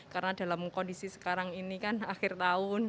karena dalam kondisi sekarang ini kan akhir tahun